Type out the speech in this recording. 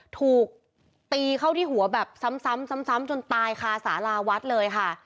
ถูกตีเข้าที่หัวแบบซ้ำจนตายคาสาราวัดเลยค่ะ